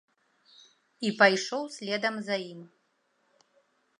І пайшоў следам за ім.